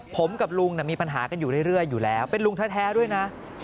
ผมกับลุงมีปัญหากันอยู่เรื่อยอยู่แล้วเป็นลุงแท้ด้วยนะ